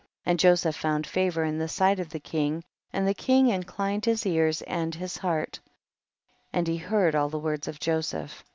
53. And Joseph found favor in the sight of the king, and the king inclined his ears and his heart, and he heard all the words of Joseph.